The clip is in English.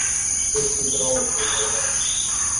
If she could only free her lips!